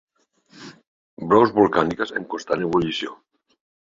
Brous volcàniques en constant ebullició.